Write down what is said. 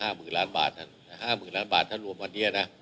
หมื่นล้านบาทท่านห้าหมื่นล้านบาทถ้ารวมวันนี้นะ